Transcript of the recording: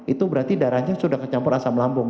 itu berarti darahnya sudah kecampur asam lambung